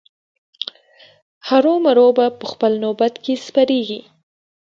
هرو مرو به په خپل نوبت کې سپریږي.